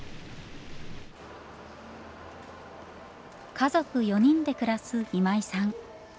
家族４人で暮らす今井さん。